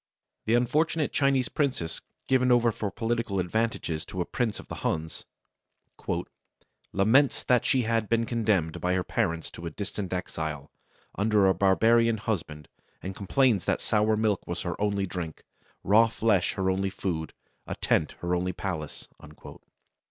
The unfortunate Chinese princess given over for political advantages to a prince of the Huns, "laments that she had been condemned by her parents to a distant exile, under a barbarian husband, and complains that sour milk was her only drink, raw flesh her only food, a tent her only palace."